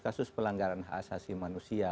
kasus pelanggaran hak asasi manusia